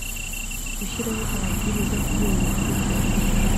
gushyiraho amabwiriza kuri ibi bikurikira